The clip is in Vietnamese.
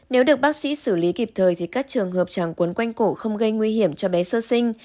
nếu được bác sĩ xử lý kịp thời thì các trường hợp tràng cuốn quanh cổ không gây nguy hiểm cho bé sơ sinh